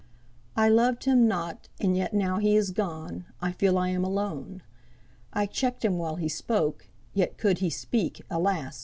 "I lov'd him not; and yet, now he is gone, I feel I am alone. I check'd him while he spoke; yet, could he speak, Alas!